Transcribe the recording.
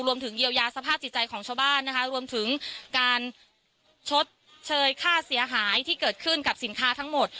รวมถึงเยียวยาสภาพจิตใจของชาวบ้านนะคะรวมถึงการชดเชยค่าเสียหายที่เกิดขึ้นกับสินค้าทั้งหมด